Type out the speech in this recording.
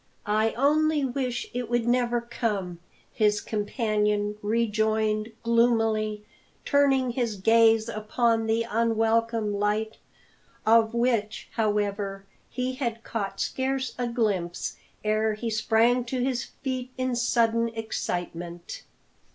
"I only wish it would never come," his companion rejoined gloomily, turning his gaze upon the unwelcome light of which, however, he had caught scarce a glimpse ere he sprang to his feet in sudden excitement.